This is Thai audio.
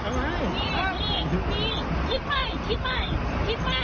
แล้วเมื่อกี้แลนด์มันอยู่ตรงเรา